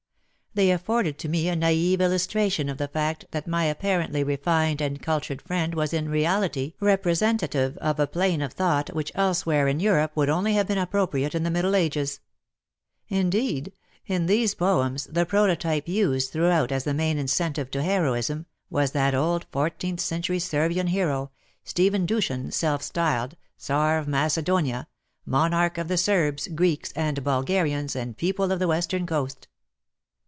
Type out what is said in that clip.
They afforded to me a naive illustration of the fact that my apparently refined and cultured friend was in reality representative of a plane of thought which elsewhere in Europe would only have been appropriate in the Middle Ages. Indeed, in these poems the prototype used throughout as the main incentive to heroism, was that old fourteenth century Servian hero, Stephen Dushan, self styledCzarof Macedonia, Monarch of the Serbs, Greeks, and Bulgarians and people of the western coast"!